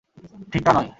ঠিক তা নয়।